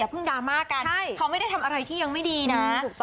เพิ่งดราม่ากันเขาไม่ได้ทำอะไรที่ยังไม่ดีนะ